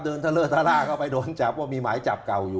เดินเถลอเถลาก็ไปโดนจับว่ามีหมายจับเก่าอยู่